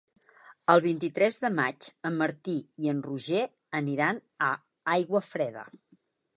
El vint-i-tres de maig en Martí i en Roger aniran a Aiguafreda.